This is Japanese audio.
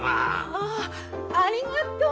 ああありがとう！